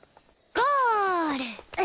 ゴール！